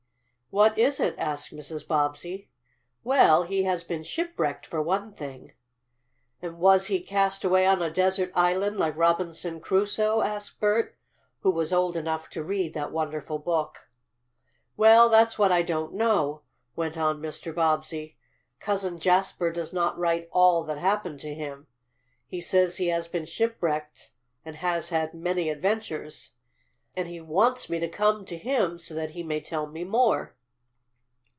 "What is it?" asked Mrs. Bobbsey. "Well, he has been shipwrecked, for one thing." "And was he cast away on a desert island, like Robinson Crusoe?" asked Bert, who was old enough to read that wonderful book. "Well, that's what I don't know," went on Mr. Bobbsey. "Cousin Jasper does not write all that happened to him. He says he has been shipwrecked and has had many adventures, and he wants me to come to him so that he may tell me more."